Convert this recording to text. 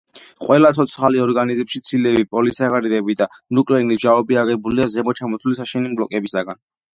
ყველა ცოცხალ ორგანიზმში ცილები, პოლისაქარიდები და ნუკლეინის მჟავები აგებულია ზემოთ ჩამოთვლილი საშენი ბლოკებისაგან.